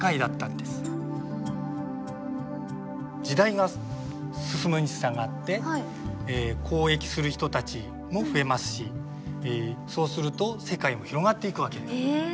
時代が進むにしたがって交易する人たちも増えますしそうすると世界も広がっていくわけです。